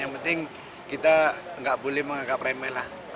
yang penting kita nggak boleh menganggap remeh lah